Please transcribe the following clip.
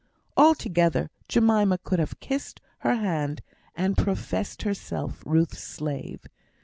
Altogether, Jemima could have kissed her hand and professed herself Ruth's slave.